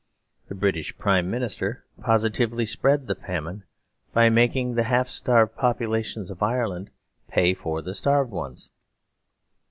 The British Prime Minister positively spread the Famine, by making the half starved populations of Ireland pay for the starved ones.